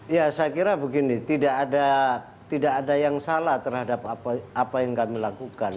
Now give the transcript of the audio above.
ya saya kira begini tidak ada yang salah terhadap apa yang kami lakukan